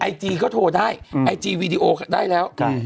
จีก็โทรได้ไอจีวีดีโอได้แล้ว